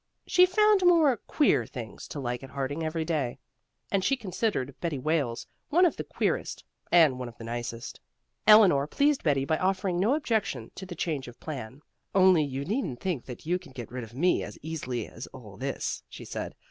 She found more "queer" things to like at Harding every day, and she considered Betty Wales one of the queerest and one of the nicest. Eleanor pleased Betty by offering no objection to the change of plan. "Only you needn't think that you can get rid of me as easily as all this," she said.